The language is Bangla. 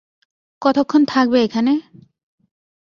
কতোক্ষণ থাকবে এখানে?